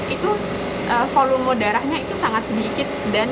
itu volume darahnya itu sangat sedikit dan dari dagingnya itu sudah pucat